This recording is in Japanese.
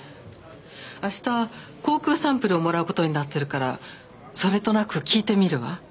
明日口腔サンプルをもらう事になってるからそれとなく聞いてみるわ。